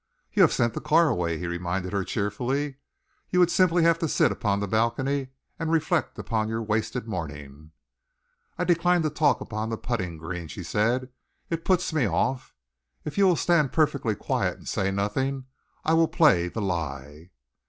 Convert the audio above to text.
"You have sent the car away," he reminded her cheerfully. "You would simply have to sit upon the balcony and reflect upon your wasted morning." "I decline to talk upon the putting green," she said. "It puts me off. If you will stand perfectly quiet and say nothing, I will play the like."